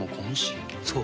そう。